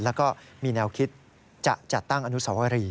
แล้วก็มีแนวคิดจะจัดตั้งอนุสวรี